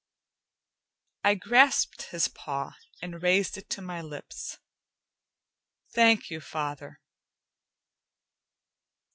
I grasped his paw and raised it to my lips. "Thank you, father!"